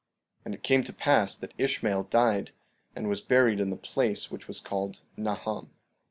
16:34 And it came to pass that Ishmael died, and was buried in the place which was called Nahom.